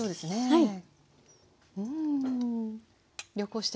はい。